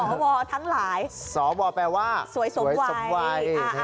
สอวอทั้งหลายสอวอแปลว่าสวยสมไว